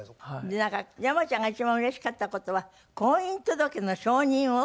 なんか山ちゃんが一番うれしかった事は婚姻届の証人を頼まれた。